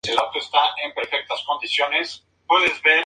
Mientras duraban las obras se construyó la Capilla de la Enramada.